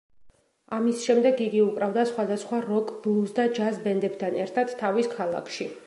ამის შემდეგ იგი უკრავდა სხვადასხვა როკ, ბლუზ და ჯაზ ბენდებთან ერთად თავის ქალაქში.